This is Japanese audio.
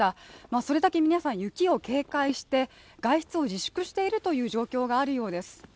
それだけ皆さん雪を警戒して外出を自粛しているという状況があるようです。